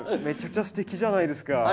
めちゃくちゃすてきじゃないですか。